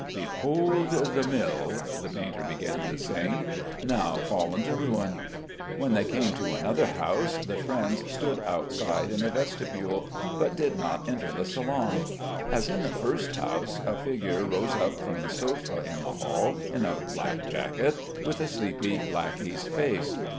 "Behold the mill," the painter began to sing, "Now fall'n to ruin...." When they came to another house the friends stood outside in the vestibule, but did not enter the salon. As in the first house, a figure rose up from the sofa in the hall, in a black jacket, with a sleepy lackey's face.